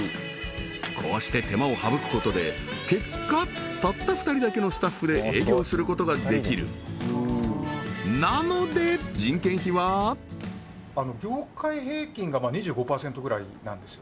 こうして手間を省くことで結果たった２人だけのスタッフで営業することができるなので業界平均が２５％ぐらいなんですよ